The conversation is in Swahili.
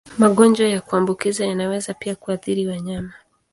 Magonjwa ya kuambukiza yanaweza pia kuathiri wanyama.